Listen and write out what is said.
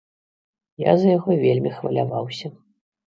Я за яго вельмі хваляваўся.